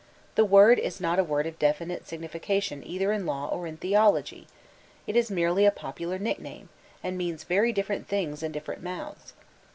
The word is not a word of definite signification either in law or in theology. It is merely a popular nickname, and means very different things in different mouths.